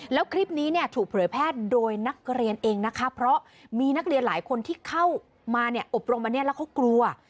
แล้วคลิปนี้เนี่ยถูกเผยแพร่โดยนักเรียนเองนะคะเพราะมีนักเรียนหลายคนที่เข้ามาเนี่ยอบรมอันนี้แล้วเขากลัว